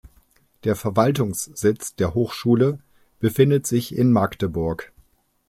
Der Verwaltungssitz der Hochschule befindet sich in Magdeburg.